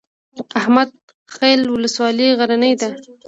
احمد خیل ولسوالۍ غرنۍ ده؟